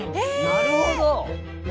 なるほど！